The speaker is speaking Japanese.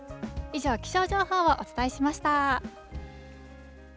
以上、気象情報をお伝えしました。